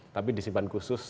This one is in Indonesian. tapi disimpan khusus